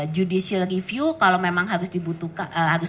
judicial review kalau memang harus dibutuhkan